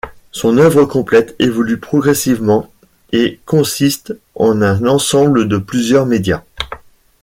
Son œuvre complète évolue progressivement et consiste en un ensemble de plusieurs médias.